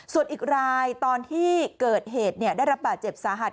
ส่วนอีกรายตอนที่เกิดเหตุได้รับบาดเจ็บสาหัส